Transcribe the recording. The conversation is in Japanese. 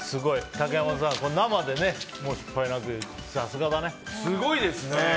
竹山さん、生で失敗なくすごいですね。